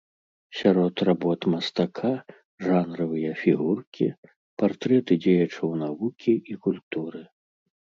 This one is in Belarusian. Сярод работ мастака жанравыя фігуркі, партрэты дзеячаў навукі і культуры.